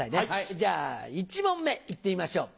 じゃあ１問目行ってみましょう。